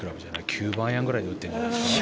９番アイアンぐらいで打ってるんじゃないかな。